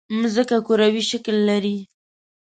مځکه کروي شکل لري.